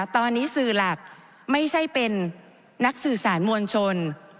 ตอนนี้สื่อหลักไม่ใช่เป็นนักสื่อสารมวลชน